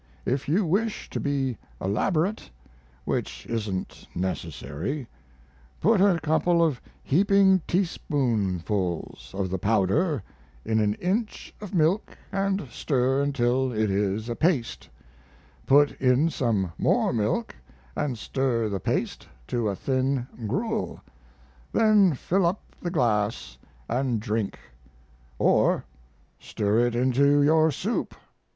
If you wish to be elaborate which isn't necessary put a couple of heaping teaspoonfuls of the powder in an inch of milk & stir until it is a paste; put in some more milk and stir the paste to a thin gruel; then fill up the glass and drink. Or, stir it into your soup.